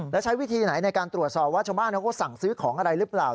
แล้วใช้วิธีไหนในการตรวจสอบว่าชาวบ้านเขาก็สั่งซื้อของอะไรหรือเปล่า